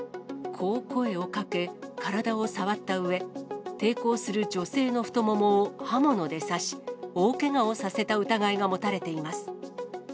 こう声をかけ、体を触ったうえ、抵抗する女性の太ももを刃物で刺し、大けがをさせた疑いが持たれています。